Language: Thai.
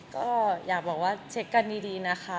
ก็อยากบอกว่าเช็คกันดีนะคะ